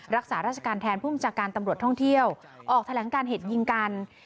รักษาราชการแทนผู้บัญชาการตำรวจท่องเที่ยวออกแถลงการเหตุยิงกัน